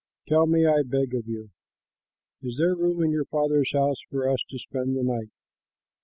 Tell me, I beg of you. Is there room in your father's house for us to spend the night?"